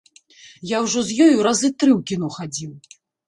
Я ўжо з ёю разы тры ў кіно хадзіў.